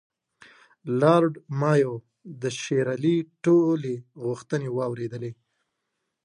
لارډ مایو د شېر علي ټولې غوښتنې واورېدلې.